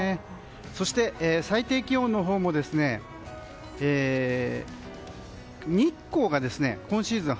そして、最低気温のほうも日光が今シーズン